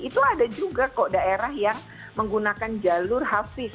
itu ada juga kok daerah yang menggunakan jalur hafiz